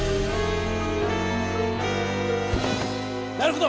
なるほど！